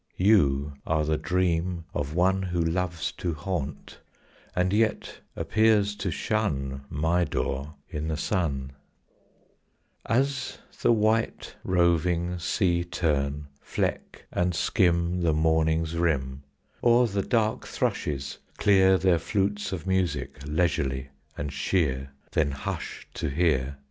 You are the dream of One Who loves to haunt and yet appears to shun My door in the sun; As the white roving sea tern fleck and skim The morning's rim; Or the dark thrushes clear Their flutes of music leisurely and sheer, Then hush to hear.